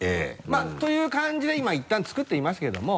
まぁという感じで今いったん作っていますけども。